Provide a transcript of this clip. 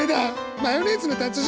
マヨネーズの達人